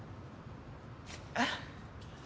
えっ？